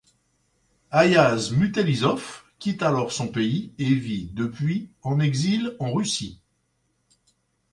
Ayaz Mütəllibov quitte alors son pays et vit depuis en exil en Russie.